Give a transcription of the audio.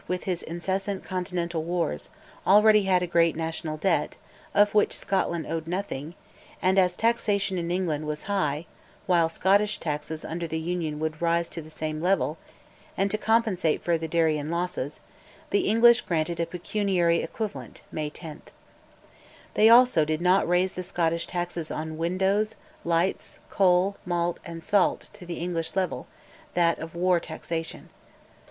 with his incessant Continental wars, had already a great National debt, of which Scotland owed nothing, and as taxation in England was high, while Scottish taxes under the Union would rise to the same level, and to compensate for the Darien losses, the English granted a pecuniary "Equivalent" (May 10). They also did not raise the Scottish taxes on windows, lights, coal, malt, and salt to the English level, that of war taxation.